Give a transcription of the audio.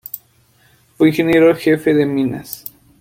Fue ingeniero jefe de minas.